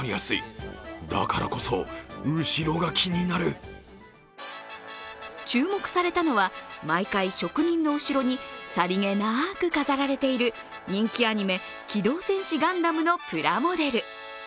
実は注目されたのは、毎回職人の後ろにさりげなく飾られている人気アニメ「機動戦士ガンダム」のプラモデル。